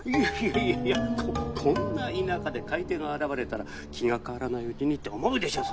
いやいやここんな田舎で買い手が現れたら気が変わらないうちにって思うでしょう